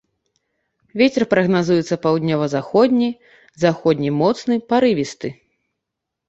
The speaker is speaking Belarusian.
Вецер прагназуецца паўднёва-заходні, заходні моцны парывісты.